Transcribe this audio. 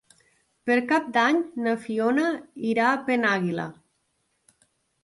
Per Cap d'Any na Fiona irà a Penàguila.